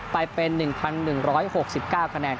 ไปเป็น๑๑๖๙คะแนน